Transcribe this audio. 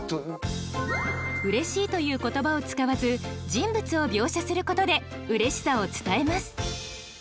「嬉しい」という言葉を使わず人物を描写することで嬉しさを伝えます。